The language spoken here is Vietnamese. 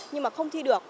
nhưng mà không thi được